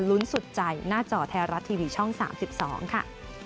ลุ้นสุดใจหน้าจอไทยรัฐทีวีช่อง๓๒ค่ะ